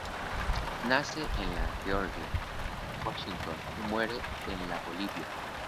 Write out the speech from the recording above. Nace en la George Washington y muere en la Bolívar.